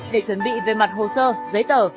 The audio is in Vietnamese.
để chuẩn bị về mặt hồ sơ giấy tờ